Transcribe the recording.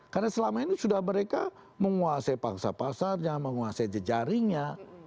karena selama ini sudah mereka menguasai pangsa pasarnya menguasai jejaringnya